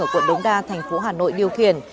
ở quận đống đa thành phố hà nội điều khiển